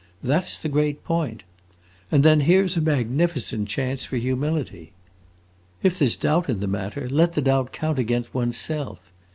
That 's the great point! And then here 's a magnificent chance for humility. If there 's doubt in the matter, let the doubt count against one's self.